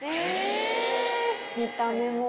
見た目も。